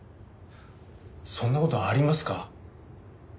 そんな事ありますか？